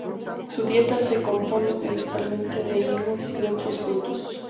Su dieta se compone principalmente de higos y otros frutos.